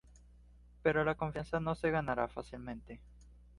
Pero la confianza no se ganará fácilmente.